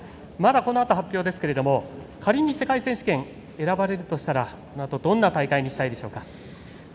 このあと発表ですが仮に世界選手権選ばれるとしたらこのあとどんな大会にしたいでしょうか。